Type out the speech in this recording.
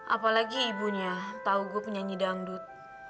apalagi ibunya tahu gue penyanyi dangdut